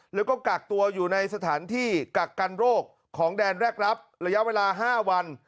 แล้วก็กักตัวอยู่ในสถานที่กักกันโรคของแดนแรกรับระยะเวลา๕วัน